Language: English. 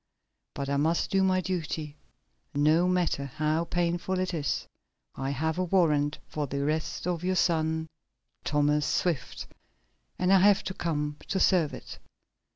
But I must do my duty, no matter how painful it is. I have a warrant for the arrest of your son, Thomas Swift, and I have come to serve it.